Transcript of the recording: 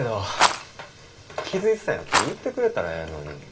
気付いてたんやったら言ってくれたらええのに。